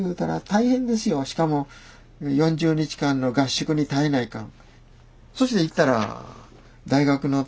しかも４０日間の合宿に耐えないかん。